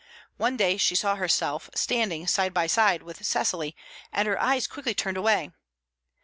One day she saw herself standing side by side with Cecily, and her eyes quickly turned away.